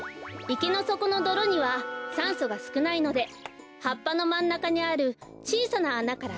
いけのそこのどろにはさんそがすくないのではっぱのまんなかにあるちいさなあなからくうきをすい